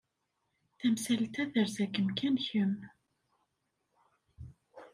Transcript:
Tamsalt-a terza-kem kan kemm.